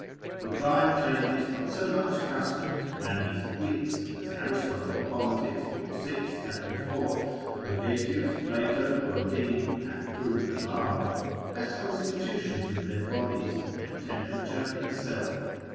The clime changes not so much customs, manners, wits (as Aristotle Polit. lib. 6. cap. 4. Vegetius, Plato, Bodine, method. hist. cap. 5. hath proved at large) as constitutions of their bodies, and temperature itself.